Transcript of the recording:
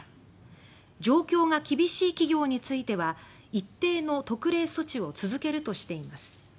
状況が厳しい企業については一定の特例措置を続けるとしています。